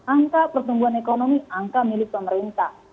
angka pertumbuhan ekonomi angka milik pemerintah